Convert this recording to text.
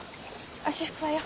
足拭くわよ。